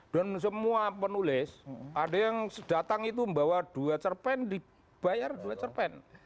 dan semua penulis ada yang datang itu membawa dua cerpen dibayar dua cerpen